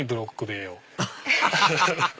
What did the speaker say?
アハハハハ！